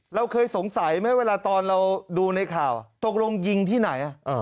เราเคยสงสัยไหมเวลาตอนเราดูในข่าวตกลงยิงที่ไหน